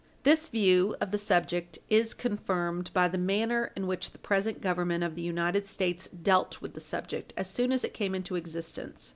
This view of the subject is confirmed by the manner in which the present Government of the United States dealt with the subject as soon as it came into existence.